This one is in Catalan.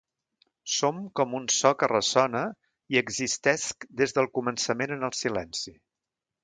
Som un so que ressona i existesc des del començament en el silenci.